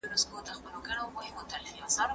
زده کړه د توپیر کولو زمینه برابروي.